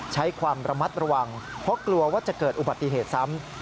ใช้ความระมัดระวังเพราะกลัวว่าจะเกิดอุบัติเหตุซ้ำ